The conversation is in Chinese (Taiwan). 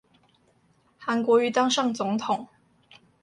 韓國瑜當上總統